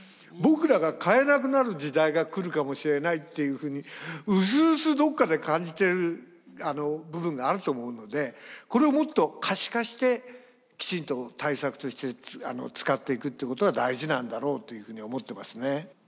僕らが買えなくなる時代が来るかもしれないっていうふうにうすうすどっかで感じてる部分があると思うのでこれをもっと可視化してきちんと対策として使っていくってことが大事なんだろうというふうに思ってますね。